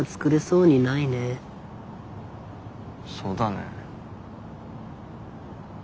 そうだね。